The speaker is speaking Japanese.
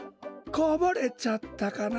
こぼれちゃったかな。